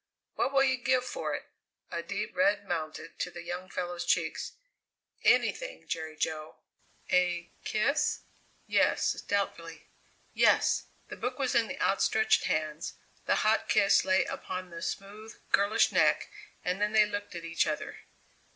"What will you give for it?" A deep red mounted to the young fellow's cheeks. "Anything, Jerry Jo." "A kiss?" "Yes" doubtfully; "yes." The book was in the outstretched hands, the hot kiss lay upon the smooth, girlish neck, and then they looked at each other.